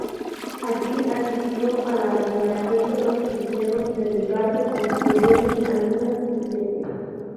Allí asistió a la veneración de los cristianos del lugar que construyeron algunas iglesias.